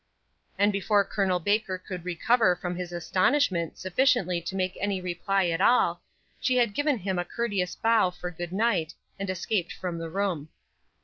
And before Col. Baker could recover from his astonishment sufficiently to make any reply at all, she had given him a courteous bow for good night, and escaped from the room.